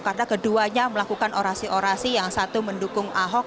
karena keduanya melakukan orasi orasi yang satu mendukung ahok